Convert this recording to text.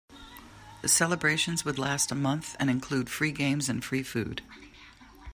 The celebrations would last a month and include free games and free food.